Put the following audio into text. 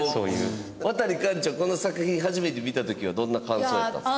和多利館長はこの作品初めて見た時はどんな感想やったんですか？